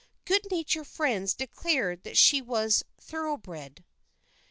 Good natured friends declared that she was thoroughbred.